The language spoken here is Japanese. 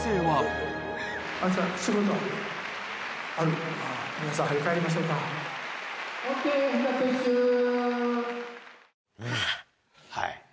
はい。